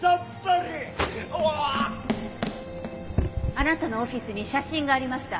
あなたのオフィスに写真がありました。